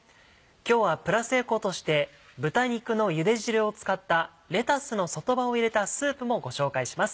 今日はプラスエコとして豚肉のゆで汁を使ったレタスの外葉を入れたスープもご紹介します。